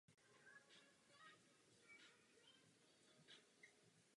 Poté studoval režii na Divadelní fakultě Akademie múzických umění.